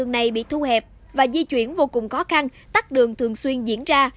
đường này bị thu hẹp và di chuyển vô cùng khó khăn tắt đường thường xuyên diễn ra